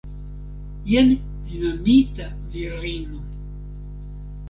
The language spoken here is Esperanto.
Jen dinamita virino!